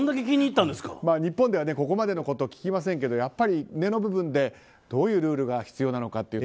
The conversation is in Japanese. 日本ではここまでのことを聞きませんけどやっぱり根の部分でどういうルールが必要なのか。